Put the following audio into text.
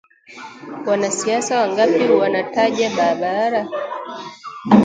Wanasiasa wangapi wanataja barabara